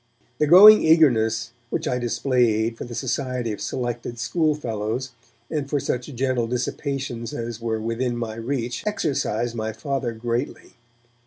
The growing eagerness which I displayed for the society of selected schoolfellows and for such gentle dissipations as were within my reach exercised my Father greatly.